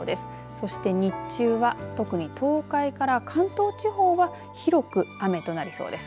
そして、日中は特に東海から関東地方は広く雨となりそうです。